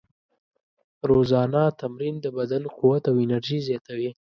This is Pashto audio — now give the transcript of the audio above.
روزانه تمرین د بدن قوت او انرژي زیاتوي.